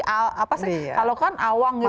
kalau kan awang gitu